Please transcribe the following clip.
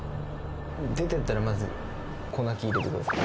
出てったらまず子泣き入れてください。